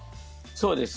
そうです。